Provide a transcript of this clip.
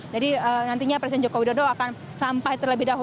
jadi nantinya presiden joko widodo akan sampai terlebih dahulu